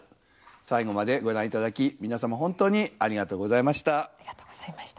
最後までご覧頂き皆様本当にありがとうございました。